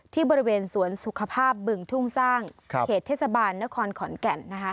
ที่บริเวณสวนสุขภาพบึงทุ่งสร้างเขตเทศบาลนครขอนแก่น